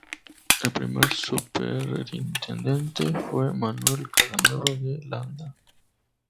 El primer superintendente fue Manuel Casanueva de Landa.